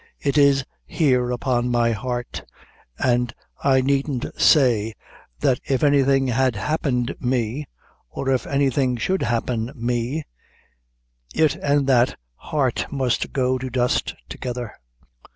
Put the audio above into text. "It is here upon my heart, and I needn't say that if anything had happened me, or if anything should happen me, it an' that heart must go to dust together."